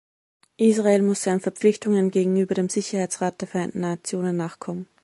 Israel muss seinen Verpflichtungen gegenüber dem Sicherheitsrat der Vereinten Nationen nachkommen.